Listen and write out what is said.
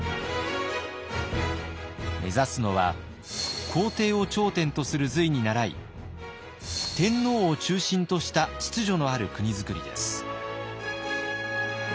目指すのは皇帝を頂点とする隋に倣い天皇を中心とした秩序のある国づくりです。